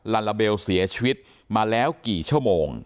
ลาลาเบลเสียชีวิตมาแล้วกี่ชั่วโมง